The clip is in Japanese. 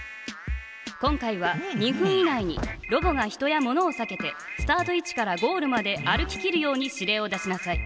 今回は２分以内にロボが人や物をさけてスタート位置からゴールまで歩ききるように指令を出しなさい。